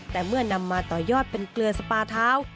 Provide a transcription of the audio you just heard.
แต่เมื่อนำมาต่อยอดเป็นเกลือสปาเท้า